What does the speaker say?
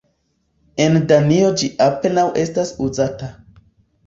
En Danio ĝi apenaŭ estas uzata.